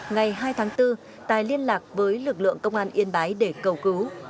ngày hai tháng bốn tài liên lạc với lực lượng công an yên bái để cầu cứu